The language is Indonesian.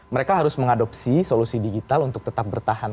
mereka harus mengadopsi solusi digital untuk tetap bertahan